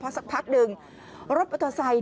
เพราะสักพักดึงรถมันเตอร์ไซค์